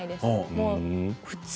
もう普通。